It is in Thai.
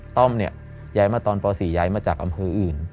ต้อมเนี่ยย้ายมาตอนป๔ย้ายมาจากอำเภออื่น